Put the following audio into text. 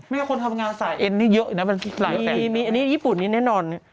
ไม่ว่าคนทำงานสายเอ็นนี่เยอะนะมีอันนี้ญี่ปุ่นนี้แน่นอน